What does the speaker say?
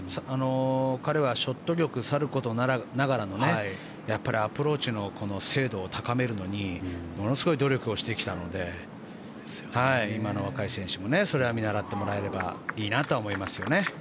彼はショット力さることながらのアプローチの精度を高めるのにものすごい努力をしてきたので今の若い選手もそれは見習ってもらえればいいなと思いますよね。